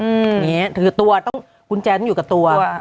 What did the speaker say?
อือนี่ถือตัวกุญแจต้องอยู่กับตัว